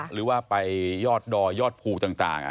หรือว่าไปยอดดอยยอดภูต่าง